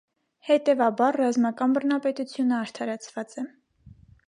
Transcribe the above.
Հետևաբար ռազմական բռնապետությունը արդարացված է։